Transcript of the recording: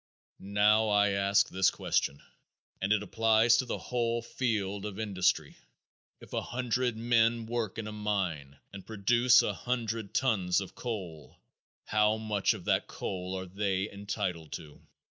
Now, I ask this question, and it applies to the whole field of industry: If a hundred men work in a mine and produce a hundred tons of coal, how much of that coal are they entitled to?